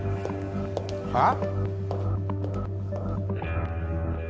はっ？